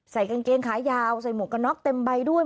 กางเกงขายาวใส่หมวกกระน็อกเต็มใบด้วย